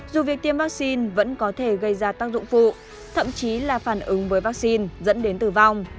dù việc tiêm vaccine vẫn có thể gây ra tác dụng phụ thậm chí là phản ứng với vaccine dẫn đến tử vong